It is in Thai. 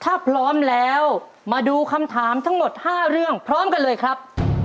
ถ้าพร้อมแล้วมาดูคำถามทั้งหมด๕เรื่องพร้อมกันเลยครับ